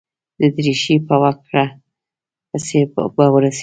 د درېشۍ په وکړه پسې به ورسېږم.